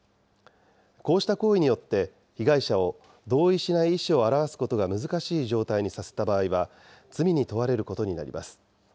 こうした行為によって被害者を同意しない意思を表すことが難しい状態にさせた場合は罪に問われることになります。